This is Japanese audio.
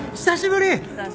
久しぶり。